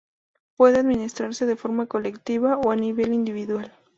Puede administrarse de forma colectiva o a nivel individual.